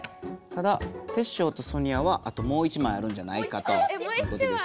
ただテッショウとソニアはあともう１枚あるんじゃないかということですね。